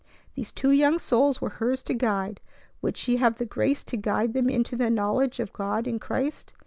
These two young souls were hers to guide. Would she have the grace to guide them into the knowledge of God in Christ?